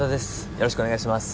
よろしくお願いします。